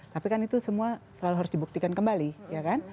tapi kan itu semua selalu harus dibuktikan kembali ya kan